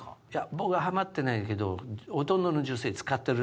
僕はハマってないけど。